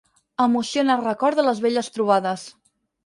Emociona el record de les velles trobades.